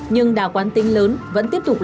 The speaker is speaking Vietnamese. nhưng đà quán tính lớn vẫn tiếp tục